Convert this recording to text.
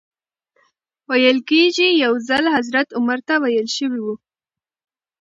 ویل کېږي یو ځل حضرت عمر ته ویل شوي و.